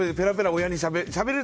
親にしゃべる。